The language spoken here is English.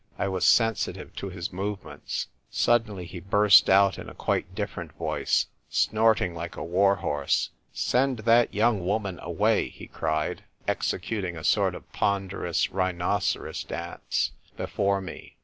I was sensitive to his movements. Suddenly, he burst out in a quite different voice, snorting like a war horse :" Send that r52 THE TYPE WRITER GIRL. ''' young woman away !" he cried, executing a sort of ponderous rhinoceros dance before me.